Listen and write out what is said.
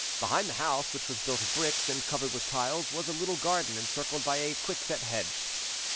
Behind the house, which was built of bricks, and covered with tiles, was a little garden, encircled by a quickset hedge.